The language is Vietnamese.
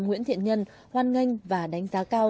nguyễn thiện nhân hoan nghênh và đánh giá cao